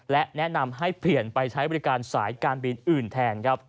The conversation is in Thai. และแนะนำให้เปลี่ยนไปใช้บริการสายการบินอื่นแทนครับ